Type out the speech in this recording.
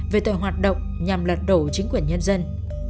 về tội hoạt động nhằm lật đổ chính quyền nhân dân